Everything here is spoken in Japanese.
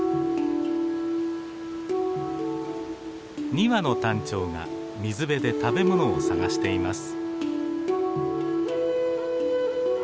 ２羽のタンチョウが水辺で食べ物を探しています。